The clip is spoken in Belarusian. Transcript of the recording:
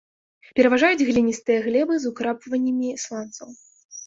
Пераважаюць гліністыя глебы з украпваннямі сланцаў.